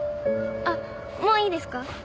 あっもういいですか？